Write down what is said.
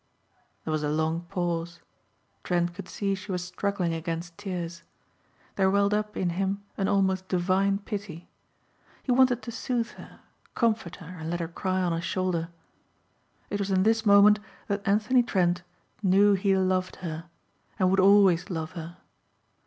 There was a long pause. Trent could see she was struggling against tears. There welled up in him an almost divine pity. He wanted to soothe her, comfort her and let her cry on his shoulder. It was in this moment that Anthony Trent knew he loved her and would always love her.